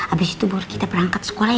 abis itu baru kita berangkat sekolah ya